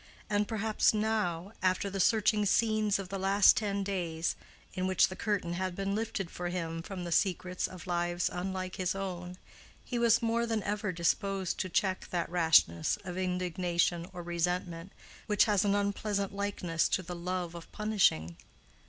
And perhaps now, after the searching scenes of the last ten days, in which the curtain had been lifted for him from the secrets of lives unlike his own, he was more than ever disposed to check that rashness of indignation or resentment which has an unpleasant likeness to the love of punishing.